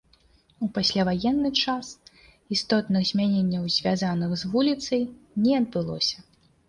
У пасляваенны час істотных змяненняў, звязаных з вуліцай, не адбылося.